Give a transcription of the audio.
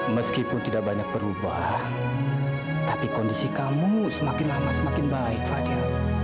meskipun tidak banyak berubah tapi kondisi kamu semakin lama semakin baik fajar